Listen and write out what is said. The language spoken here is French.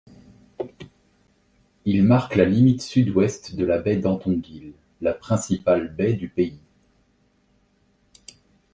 Il marque la limite sud-ouest de la baie d'Antongil, la principale baie du pays.